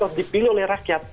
atau dipilih oleh rakyat